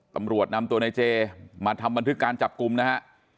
ตำรวจนำตัวในเจมาทำบันทึกการจับกลุ่มนะฮะ